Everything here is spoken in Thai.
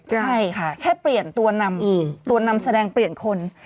ใช่ค่ะแค่เปลี่ยนตัวนำตัวนำแสดงเปลี่ยนคน